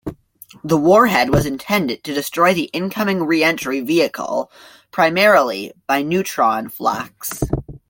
The warhead was intended to destroy the incoming reentry vehicle primarily by neutron flux.